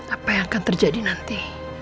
apa yang akan terjadi nanti